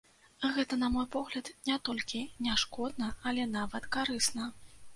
Гэта, на мой погляд, не толькі не шкодна, але нават карысна.